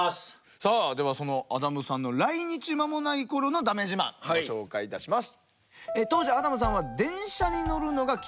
さあではそのアダムさんの来日間もない頃のだめ自慢ご紹介いたします。